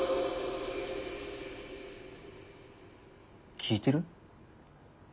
聞いてる？